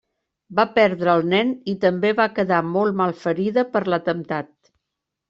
Va perdre el nen i també va quedar molt malferida per l'atemptat.